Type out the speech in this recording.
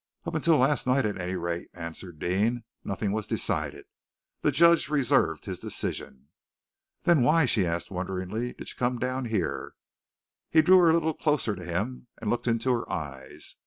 "Up till last night, at any rate," answered Deane, "nothing was decided. The judge reserved his decision." "Then why," she asked wonderingly, "did you come down here?" He drew her a little closer to him, and looked into her eyes.